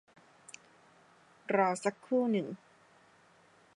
รอสักครู่หนึ่ง